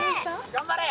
頑張れ！